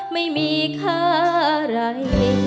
ไม่มีค่าอะไร